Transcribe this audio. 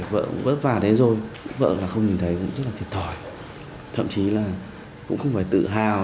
vợ cũng vất vả đấy rồi vợ là không nhìn thấy cũng rất là thiệt thòi thậm chí là cũng không phải tự hào